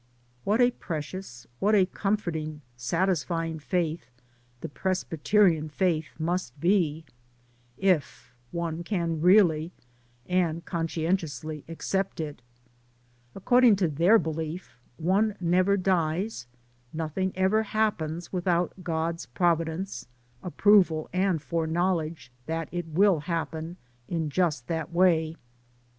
What a precious, what a comforting, sat DAYS ON THE ROAD. 51 isfying faith the Presbyterian faith must be, if one can really and conscientiously accept it. According to their belief one never dies, nothing ever happens without God's provi dence, approval, and foreknowledge that it will happen in just that way.